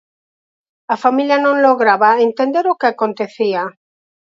A familia non lograba entender o que acontecía.